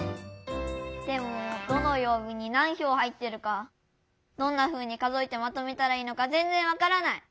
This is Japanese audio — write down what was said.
でもどのよう日に何ひょう入ってるかどんなふうに数えてまとめたらいいのかぜんぜんわからない！